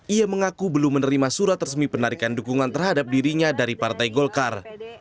ia mengaku belum menerima surat resmi penarikan dukungan terhadap dirinya dari partai golkar